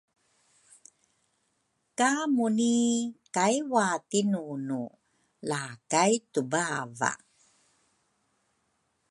ka Muni kai watinunu la kai tubava.